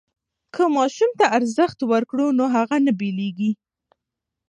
که ماشوم ته ارزښت ورکړو نو هغه نه بېلېږي.